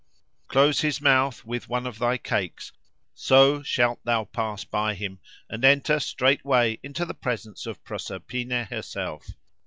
Close his mouth with one of thy cakes; so shalt thou pass by him, and enter straightway into the presence of Proserpine herself.